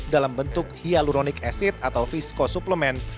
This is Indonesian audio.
dalam bentuk hyaluronic acid atau fisco suplemen